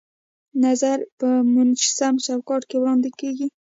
نظریه په منسجم چوکاټ کې وړاندې کیږي.